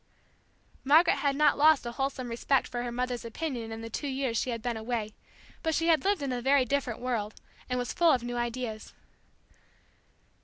Margaret had not lost a wholesome respect for her mother's opinion in the two years she had been away, but she had lived in a very different world, and was full of new ideas.